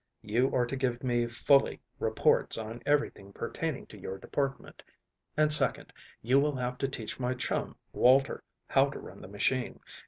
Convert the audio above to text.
You are to give me fully reports on everything pertaining to your department; and, second, you will have to teach my chum, Walter, how to run the machine.